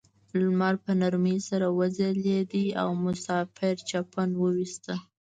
لمر په نرمۍ سره وځلید او مسافر چپن وویسته.